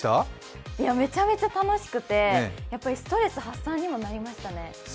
めちゃめちゃ楽しくて、やっぱりストレス発散にもなりましたね。